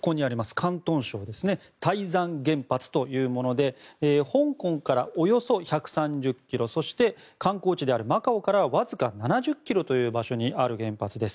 広東省の台山原発というもので香港から、およそ１３０ｋｍそして、観光地であるマカオからわずか７０ｋｍの場所にある原発です。